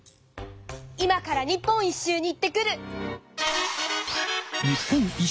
今から日本一周に行ってくる。